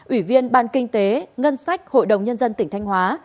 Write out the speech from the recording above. ủy viên ban kinh tế ngân sách hội đồng nhân dân tỉnh thanh hóa